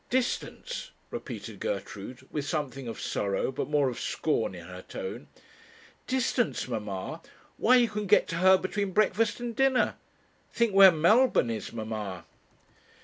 'Distance!' repeated Gertrude, with something of sorrow, but more of scorn in her tone. 'Distance, mamma! why you can get to her between breakfast and dinner. Think where Melbourne is, mamma!'